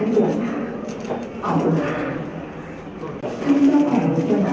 สวัสดีครับ